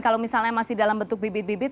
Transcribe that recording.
kalau misalnya masih dalam bentuk bibit bibit